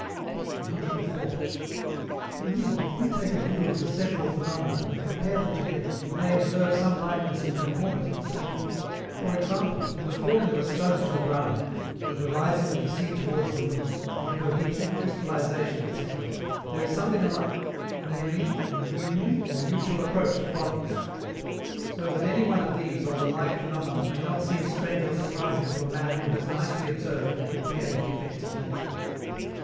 104. Indeed, if we take a view of the several phenomena, and compare them together, we may observe some likeness and conformity between them. For example, in the falling of a stone to the ground, in the rising of the sea towards the moon, in cohesion, crystallization, etc, there is something alike, namely, an union or mutual approach of bodies. So that any one of these or the like phenomena may not seem strange or surprising to a man who has nicely observed and compared the effects of nature.